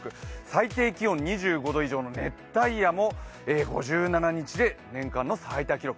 最低気温２５度以上の熱帯夜も５７日で年間の最多記録